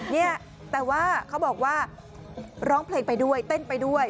เนี่ยแต่ว่าเขาบอกว่าร้องเพลงไปด้วยเต้นไปด้วย